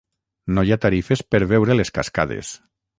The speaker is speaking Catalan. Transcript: No hi ha tarifes per veure les cascades.